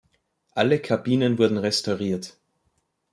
Alle Kabinen wurden restauriert.